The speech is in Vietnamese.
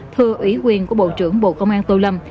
thưa ủy quyền của bộ trưởng bộ công an tô lâm